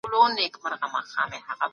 د خلګو اړتياوي څنګه بدلېدې؟